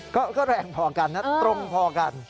ก็แรงพอกันนะตรงพอกัน